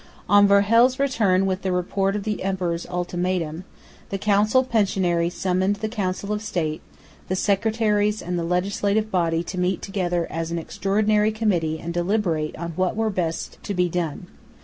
On Verhuell's return with the report of the emperor's ultimatum, the council pensionary (April 10, 1806) summoned the Council of State, the Secretaries and the Legislative Body to meet together as an Extraordinary Committee and deliberate on what were best to be done.